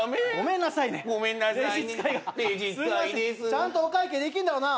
ちゃんとお会計できんだろうな？